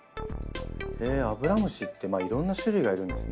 アブラムシっていろんな種類がいるんですね。